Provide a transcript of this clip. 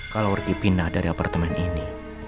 kalau pergi pindah dari apartemen ini